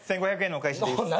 １，５００円のお返しです。